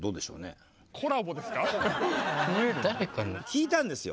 聞いたんですよ。